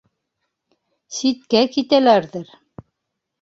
— Ситкә китәләрҙер...